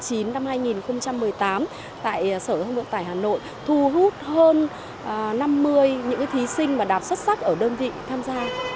hôm hai nghìn một mươi tám tại sở thông đoạn tải hà nội thu hút hơn năm mươi những thí sinh và đạt xuất sắc ở đơn vị tham gia